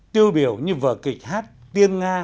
tiêu biểu như vở kịch hát tiên nga